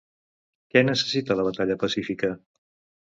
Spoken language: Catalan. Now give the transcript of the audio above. Què necessita la batalla pacífica?